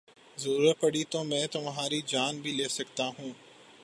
ضرورت پڑی تو میں تمہاری جان بھی لے سکتا ہوں